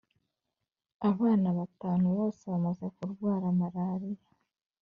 Abana batanu bose bamaze kurwara marariya